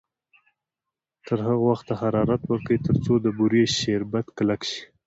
تر هغه وخته حرارت ورکړئ تر څو د بورې شربت کلک شي.